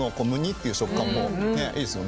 ッていう食感もねっいいですよね。